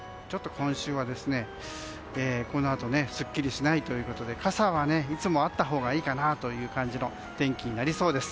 今週はこのあとすっきりしないということで傘はいつもあったほうがいいかなという感じの天気になりそうです。